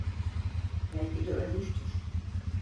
Belki de ölmüştür.